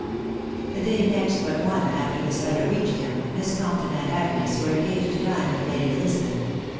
The day next but one after this letter reached hiss, Compton and Agnes were engaged to dine with Lady beta.